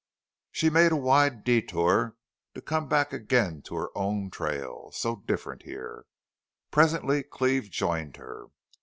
She made a wide detour, to come back again to her own trail, so different here. Presently Cleve joined her.